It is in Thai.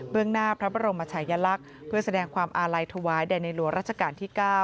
เบื้องหน้าพระบรมชายลักษณ์เพื่อแสดงความอาลัยทวายในหัวรัชกาลที่๙